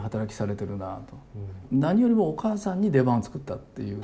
何よりもお母さんに出番を作ったっていう。